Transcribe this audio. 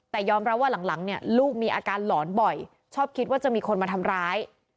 แต่ยอมรับว่าหลังเนี่ยลูกมีอาการหลอนบ่อยชอบคิดว่าจะมีคนมาทำร้าย